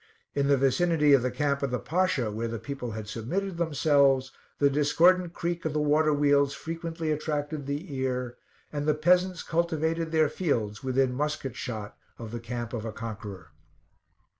In the vicinity of the camp of the Pasha, where the people had submitted themselves, the discordant creak of the water wheels frequently attracted the ear, and the peasants cultivated their fields within musket shot of the camp of a conqueror.